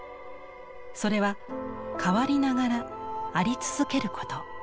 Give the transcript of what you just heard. それは「変わりながらあり続ける」こと。